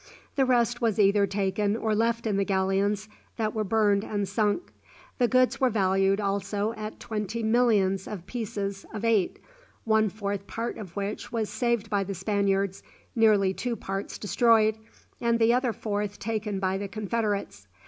The rest was either taken or left in the galleons that were burned and sunk. The goods were valued also at twenty millions of pieces of eight, one fourth part of which was saved by the Spaniards, nearly two parts destroyed, and the other fourth taken by the confederates.